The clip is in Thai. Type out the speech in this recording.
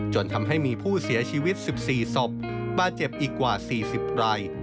จนทำให้มีผู้เสียชีวิต๑๔ศพบาดเจ็บอีกกว่า๔๐ราย